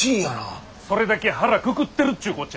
それだけ腹くくってるっちゅうこっちゃ。